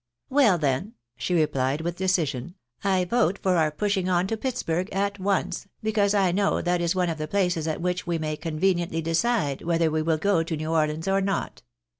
" Well then," she replied with decision, " I vote for our pushing on to Pittsburg at once, because I know that is one of the places at which we may conveniently decide whether we wiU go to New Orleans or not.